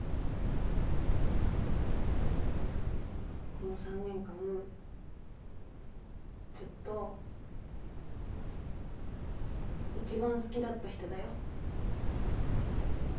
この３年間ずっと一番好きだった人だよ。